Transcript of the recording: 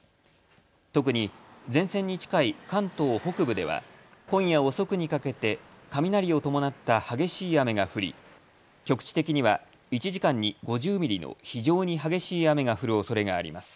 特に前線に近い関東北部では今夜遅くにかけて雷を伴った激しい雨が降り局地的には１時間に５０ミリの非常に激しい雨が降るおそれがあります。